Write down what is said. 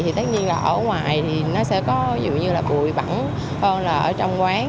thì tất nhiên là ở ngoài thì nó sẽ có dù như là bụi bẳng hơn là ở trong quán